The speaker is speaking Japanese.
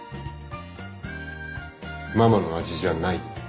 ママの味じゃないって。